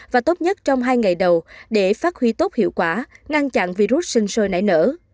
và tốt nhất trong hai ngày đầu để phát huy tốt hiệu quả ngăn chặn virus sinh sôi nảy nở